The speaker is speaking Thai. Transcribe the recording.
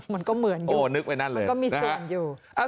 มันก็เหมือนอยู่มันก็มีส่วนอยู่